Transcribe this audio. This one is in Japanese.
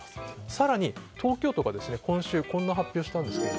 更に東京都がこんな発表をしたんです。